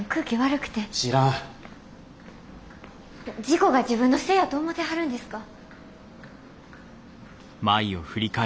事故が自分のせいやと思てはるんですか？